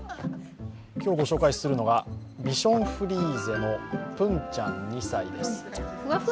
今日後紹介するのがビション・フリーゼのプンちゃん２歳です。